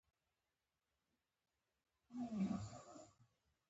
سپي ته ښه خواړه ورکول پکار دي.